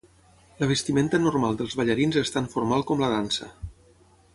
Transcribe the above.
La vestimenta normal dels ballarins és tan formal com la dansa.